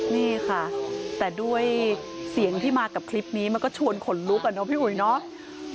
นี่ค่ะแต่ด้วยเสียงที่มากับคลิปนี้มันก็ชวนขนลุกอ่ะเนาะพี่อุ๋ยเนาะ